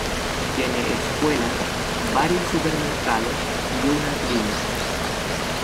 Tiene escuelas, varios supermercados y una clínica.